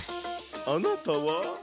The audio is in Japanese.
あなたは？